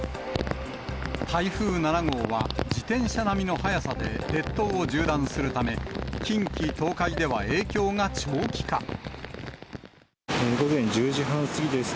台風７号は、自転車並みの速さで列島を縦断するため、近畿、東海では影響が長午前１０時半過ぎです。